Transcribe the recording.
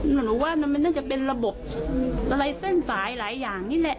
หนูว่ามันน่าจะเป็นระบบอะไรเส้นสายหลายอย่างนี่แหละ